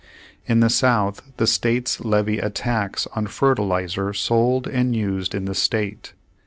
In the South, the states levy a tax on fertilizer sold and used in the state.